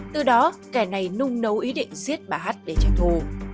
từ đó kẻ này nung nấu ý định giết bà hát để trách thù